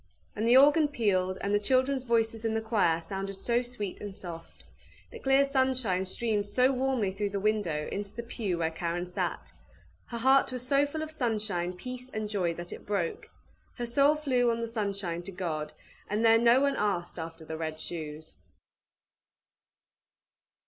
And the organ pealed, and the children's voices in the choir sounded so sweet and soft! The clear sunshine streamed so warmly through the window into the pew where Karen sat! Her heart was so full of sunshine, peace, and joy, that it broke. Her soul flew on the sunshine to God, and there no one asked after the RED SHOES.